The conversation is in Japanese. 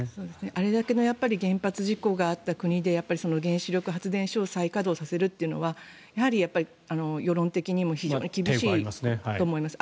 あれだけの原発事故があった国でやっぱり原子力発電所を再稼働させるというのはやっぱり世論的にも非常に厳しいと思います。